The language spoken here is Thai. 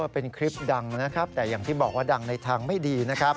เป็นคลิปดังนะครับแต่อย่างที่บอกว่าดังในทางไม่ดีนะครับ